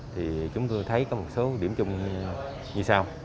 thì chúng tôi thấy có một số điểm chung như sau